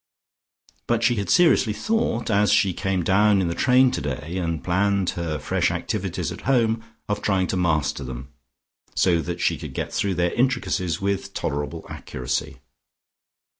But she had seriously thought, as she came down in the train today and planned her fresh activities at home of trying to master them, so that she could get through their intricacies with tolerable accuracy.